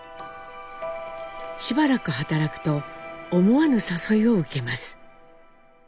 しばらく働くと思わぬ誘いを受けます。